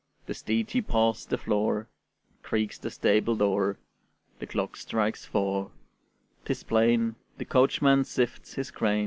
The steed he paws the floor, Creaks the stable door; The clock strikes four: 'tis plain The coachman sifts his grain.